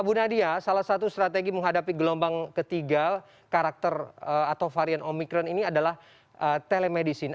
bu nadia salah satu strategi menghadapi gelombang ketiga karakter atau varian omikron ini adalah telemedicine